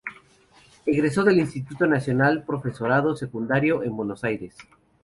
Egresó del Instituto Nacional del Profesorado Secundario en Buenos Aires.